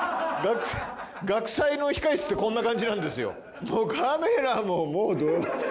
学祭の控え室ってこんな感じなんですよ。